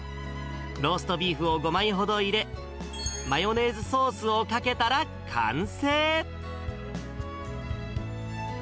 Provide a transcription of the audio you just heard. ローストビーフを５枚ほど入れ、マヨネーズソースをかけたら完成。